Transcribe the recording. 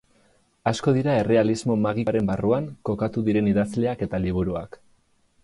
Asko dira errealismo magikoaren barruan kokatu diren idazleak eta liburuak.